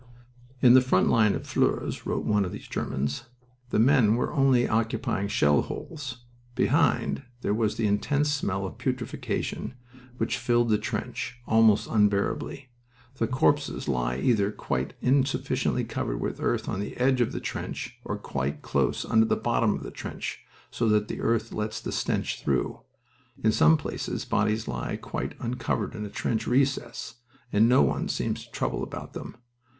"In the front line of Flers," wrote one of these Germans, "the men were only occupying shell holes. Behind there was the intense smell of putrefaction which filled the trench almost unbearably. The corpses lie either quite insufficiently covered with earth on the edge of the trench or quite close under the bottom of the trench, so that the earth lets the stench through. In some places bodies lie quite uncovered in a trench recess, and no one seems to trouble about them.